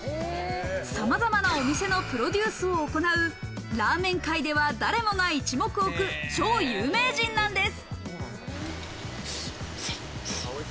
さまざまなお店のプロデュースを行う、ラーメン界では誰もが一目置く超有名人なんです。